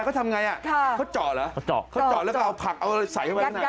เขาทำอย่างไรเขาเจาะหรือเขาเจาะแล้วก็เอาผักเอาใสไฟไว้ข้างใน